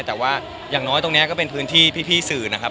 แต่ว่าอย่างน้อยตรงนี้ก็เป็นพื้นที่พี่สื่อนะครับ